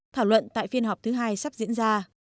thảo luận tại phiên họp thứ hai sắp diễn ra